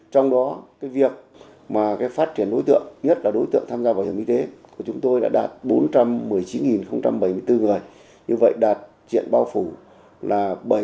trong đó việc phát triển đối tượng nhất là đối tượng tham gia bảo hiểm y tế của chúng tôi đã đạt bốn trăm một mươi chín bảy mươi bốn người như vậy đạt triện bao phủ là chín mươi ba năm